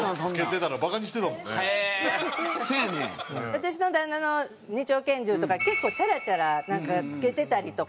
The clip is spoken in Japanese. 私の旦那の２丁拳銃とか結構チャラチャラなんか着けてたりとか。